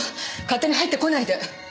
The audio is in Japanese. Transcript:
勝手に入ってこないで！